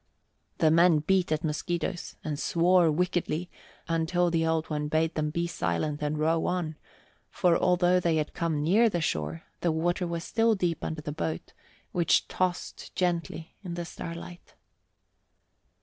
The men beat at mosquitoes and swore wickedly until the Old One bade them be silent and row on, for although they had come near the shore the water was still deep under the boat, which tossed gently in the starlight.